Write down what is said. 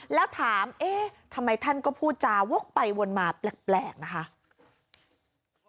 แล้วถามเอ๊ะทำไมท่านก็พูดจาวกไปวนมาแปลกนะคะ